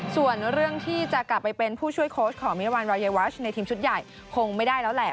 ส่วนเรื่องที่จะกลับไปเป็นผู้ช่วยโค้ชของมิรวรรณรายวัชในทีมชุดใหญ่คงไม่ได้แล้วแหละ